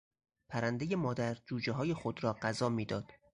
پرندهی مادر جوجههای خود را غذا میداد.